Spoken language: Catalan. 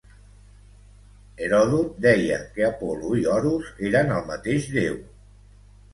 Heròdot deia que Apol·lo i Horus eren el mateix déu.